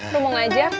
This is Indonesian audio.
rom mau ngajar